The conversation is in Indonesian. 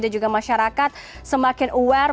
dan juga masyarakat semakin aware